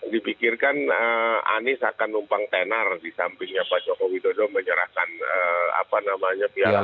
dipikirkan anies akan numpang tenar di sampingnya pak jokowi dodo menyerahkan apa namanya piala